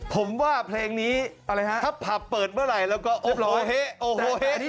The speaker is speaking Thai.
ผมว่าเพลงนี้ถ้าผับเปิดเมื่อไหร่เราก็โอโหเฮโอโหเฮแน่